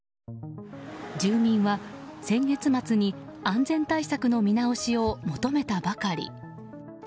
住民は先月末に安全対策の見直しを求めたばかり。